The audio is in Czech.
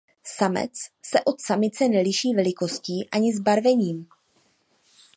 Samec se od samice neliší velikostí ani zbarvením.